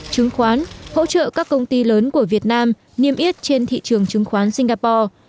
chứng khoán hỗ trợ các công ty lớn của việt nam niêm yết trên thị trường chứng khoán singapore